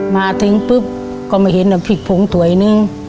มาถึงปุ๊บก็มาเห็นพริกผงถ่วยนึง